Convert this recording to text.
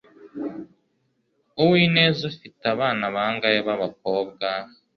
Uwineza afite abana bangahe babakobwa